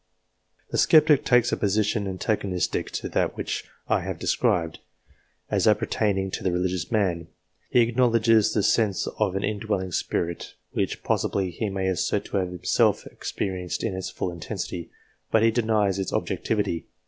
The sceptic takes a position antagonistic to that which I have described, as appertaining to the religious man. He acknowledges the sense of an indwelling Spirit, which possibly he may assert to have himself experienced in its full intensity, but he denies its objectivity.